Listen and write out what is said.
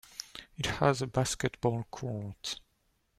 It has a "Basketball Court".